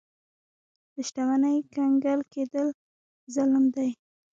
د شتمنۍ کنګل کېدل ظلم دی.